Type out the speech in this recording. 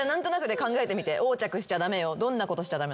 どんなことしちゃ駄目？